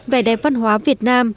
về đẹp văn hóa việt nam